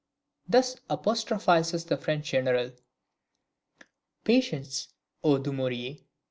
] thus apostrophises the French general: "Patience, O Dumouriez!